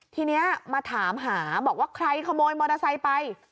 ทีนี้มาถามหาบอกว่าใครขโมยมอเตอร์ไซค์ไป